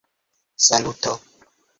saluto